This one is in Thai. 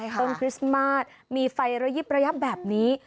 คริสต์มาสมีไฟระยิบระยับแบบนี้